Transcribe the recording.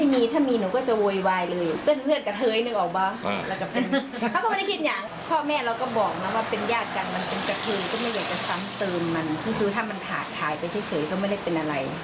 มันประมาณถ้ามันถาดถ่ายไปเฉยก็ไม่ได้เป็นอะไร